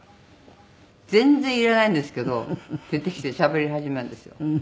全然いらないんですけど出てきてしゃべり始めるんですよ。